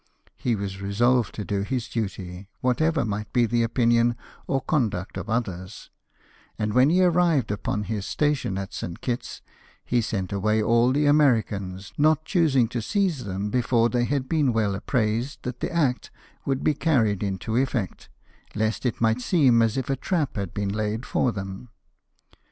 He was resolved to do his duty, whatever might be the opinion or conduct of others ; and when he arrived upon his station at St. Kitt's he sent away all the Americans, not choosing to seize them before they had been well apprised that the Act would be carried into effect, lest it might seem as if a trap had been laid for them.